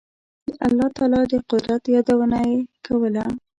د الله تعالی د قدرت یادونه یې کوله.